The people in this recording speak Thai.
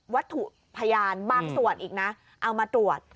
วัตถุพยานบางส่วนอีกนะเอามาตรวจ